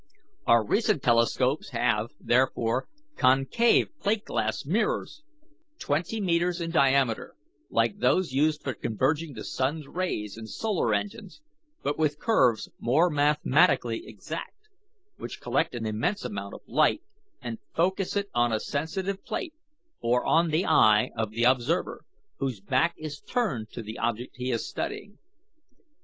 Our recent telescopes have, therefore, concave plate glass mirrors, twenty metres in diameter, like those used for converging the sun's rays in solar engines, but with curves more mathematically exact, which collect an immense amount of light and focus it on a sensitive plate or on the eye of the observer, whose back is turned to the object he is studying.